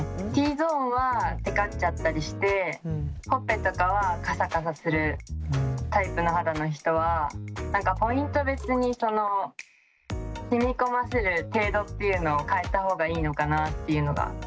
Ｔゾーンはテカっちゃったりしてほっぺとかはカサカサするタイプの肌の人はポイント別に染み込ませる程度っていうのを変えた方がいいのかなっていうのが。